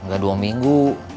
gak dua minggu